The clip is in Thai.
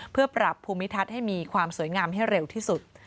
เพื่อปรับภูมิทัศน์ให้มีความสวยงามให้เร็วที่สุด